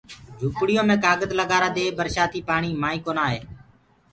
جھوپڙِيو مي ڪآگت لگآرآ دي برشآتيٚ پآڻيٚ مآئينٚ ڪونآ آوي